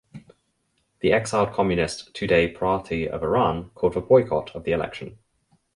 The exiled communist Tudeh Party of Iran called for boycott of the election.